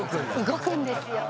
動くんですよ。